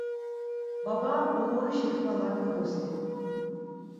Baba uğuruşi xvala kodoskidu.